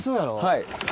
はい。